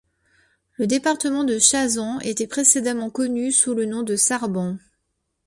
Le département de Chazand était précédemment connu sous le nom de Sarband.